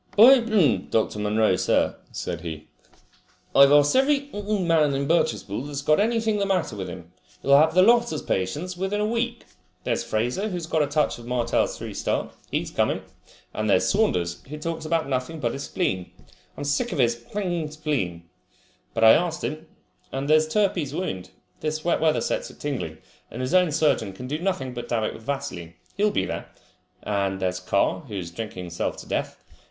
"By , Dr. Munro, sir," said he, "I've asked every man in Birchespool that's got anything the matter with him. You'll have the lot as patients within a week. There's Fraser, who's got a touch of Martell's three star. He's coming. And there's Saunders, who talks about nothing but his spleen. I'm sick of his spleen! But I asked him. And there's Turpey's wound! This wet weather sets it tingling, and his own surgeon can do nothing but dab it with vaseline. He'll be there. And there's Carr, who is drinking himself to death.